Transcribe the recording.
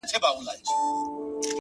ماته به بله موضوع پاته نه وي ـ